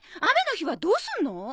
雨の日はどうするの？